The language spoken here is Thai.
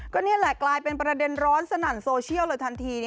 ก็นี่แหละกลายเป็นประเด็นร้อนสนั่นโซเชียลเลยทันที